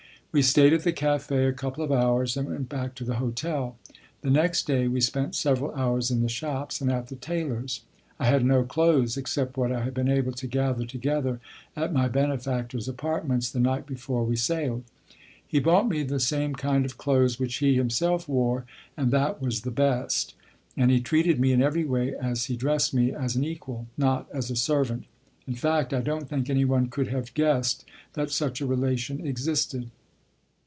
We stayed at the café a couple of hours, then went back to the hotel. The next day we spent several hours in the shops and at the tailor's. I had no clothes except what I had been able to gather together at my benefactor's apartments the night before we sailed. He bought me the same kind of clothes which he himself wore, and that was the best; and he treated me in every way as he dressed me, as an equal, not as a servant. In fact, I don't think anyone could have guessed that such a relation existed.